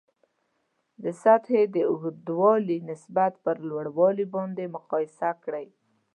د سطحې د اوږدوالي نسبت پر لوړوالي باندې مقایسه کړئ.